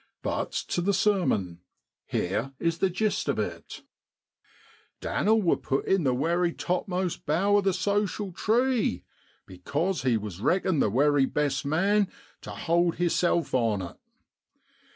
But to the ' sermon.' Here is the gist of it :* Dan'l wor put in the wery topmost bough of the social tree, becos he was reckoned the wery best man tu hold hisself on it.